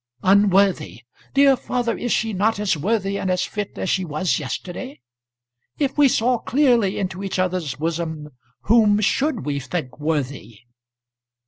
"Unworthy! Dear father, is she not as worthy and as fit as she was yesterday? If we saw clearly into each other's bosom, whom should we think worthy?"